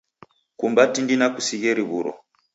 kumba tindi na kusighe riw'uro.